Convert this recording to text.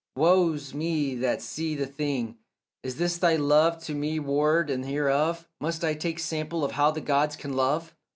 woe's me that see the thing! Is this thy love to me ward, and hereof Must I take sample how the gods can love?